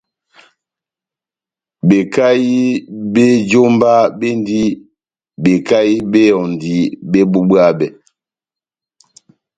Bekahi bé jómba béndini bekahi bé ehɔndi bébubwabɛ.